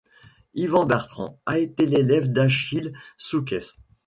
Ivan Bertrand a été l'élève d'Achille Souques.